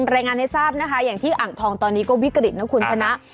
รายงานให้ทราบนะคะอย่างที่อ่างทองตอนนี้ก็วิกฤตนะคุณชนะ